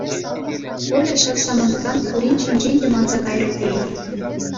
Коля ҫав самантран пурин ҫинчен те манса кайрӗ тейӗн.